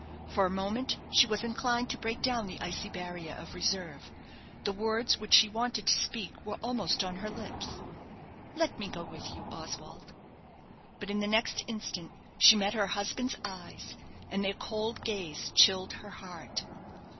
For a moment she was inclined to break down the icy barrier of reserve. The words which she wanted to speak were almost on her lips, "Let me go with you, Oswald." But in the next instant she met her husband's eyes, and their cold gaze chilled her heart.